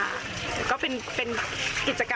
เราก็ต้อนรับปีใหม่ค่ะ